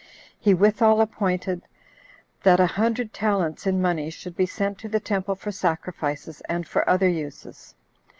He withal appointed, that a hundred talents in money should be sent to the temple for sacrifices, and for other uses.